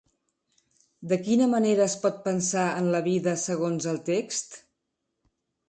De quina manera es pot pensar en la vida segons el text?